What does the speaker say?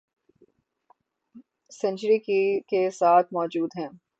century کے ساتھ موجود ہیں